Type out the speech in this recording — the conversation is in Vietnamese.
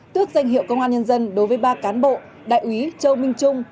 tước danh hiệu công an nhân dân đối với ba cán bộ đại úy châu minh trung